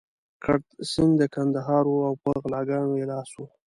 کرت سېنګ د کندهار وو او په غلاګانو يې لاس و.